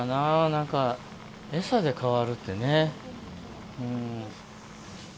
何か餌で変わるってね。